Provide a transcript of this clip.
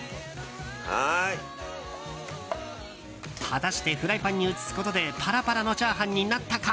果たしてフライパンに移すことでパラパラのチャーハンになったか。